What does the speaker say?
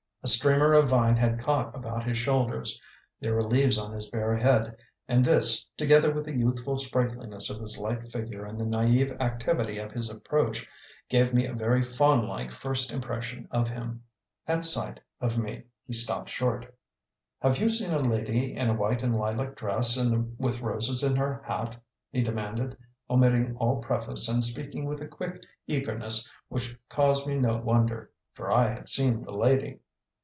A streamer of vine had caught about his shoulders; there were leaves on his bare head, and this, together with the youthful sprightliness of his light figure and the naive activity of his approach, gave me a very faunlike first impression of him. At sight of me he stopped short. "Have you seen a lady in a white and lilac dress and with roses in her hat?" he demanded, omitting all preface and speaking with a quick eagerness which caused me no wonder for I had seen the lady.